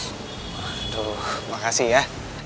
waduh makasih ya